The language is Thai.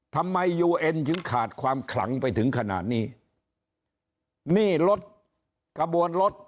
ทำไมยูเอ็นถึงขาดความขลังไปถึงขนาดนี้นี่รถกระบวนรถ